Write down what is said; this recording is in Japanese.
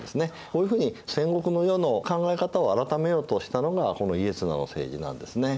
こういうふうに戦国の世の考え方を改めようとしたのがこの家綱の政治なんですね。